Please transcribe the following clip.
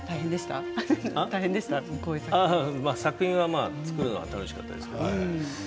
作品は、作るのは楽しかったですけれどもね。